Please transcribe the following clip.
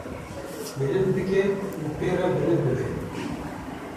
bilind bike û pê re bilind bibe.